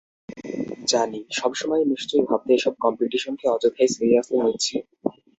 জানি, সবসময় নিশ্চয়ই ভাবতে এসব কম্পিটিশনকে অযথাই সিরিয়াসলি নিচ্ছি!